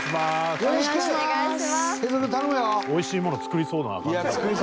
よろしくお願いします。